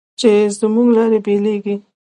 چې زموږ لارې بېلېږي